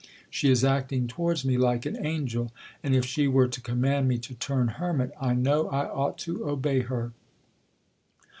She is acting towards me like an angel ; and if she were to command me to turn hermit, I know I ought to obey her.